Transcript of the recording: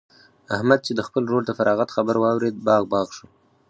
احمد چې د خپل ورور د فراغت خبر واورېد؛ باغ باغ شو.